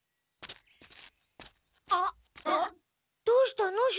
どうしたの？